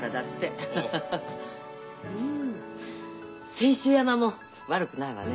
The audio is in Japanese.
千秋山も悪くないわね。